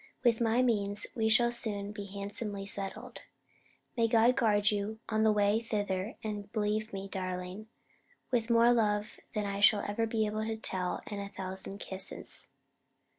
With my Means, we should soon be Handsomely Settled. May God guard you on the Way Thither and believe me, Darling, with more Love than I shall be ever able to Tell and a Thousand Kisses.